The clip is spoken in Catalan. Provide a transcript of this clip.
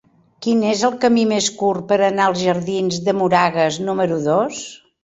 Quin és el camí més curt per anar als jardins de Moragas número dos?